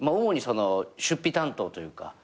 主に出費担当というか。